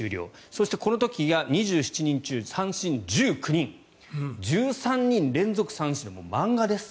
そして、この時が２７人中、三振１９人１３人連続三振もう漫画です。